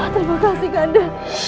terima kasih akanda